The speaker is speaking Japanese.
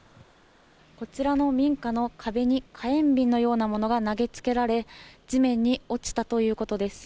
こちらの民家の壁に火炎瓶のようなものが投げつけられ、地面に落ちたということです。